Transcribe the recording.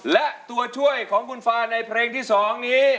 และตัวช่วยของคุณฟาในเพลงที่๒นี้